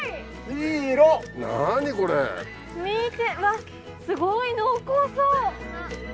うわすごい濃厚そう！